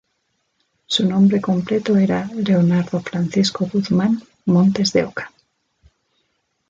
Su nombre completo era Leonardo Francisco Guzmán Montes de Oca.